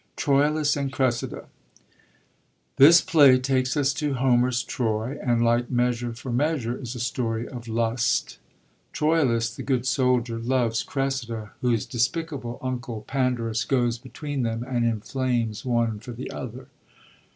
Troilus and Cressida. — This play takes us to Homer's Troy, and* like Measure for Measure, is a story of lust. Troilus, the good soldier, loves Cressida, whose 120 TROJLUS AN1> CRESSIDA despicable uncle, Pandarus, goes between them and inflames one for the other.